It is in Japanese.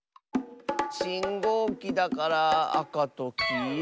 しんごうきだからあかときいろ？